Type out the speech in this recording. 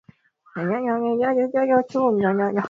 muziki sikiliza rfi kiswahili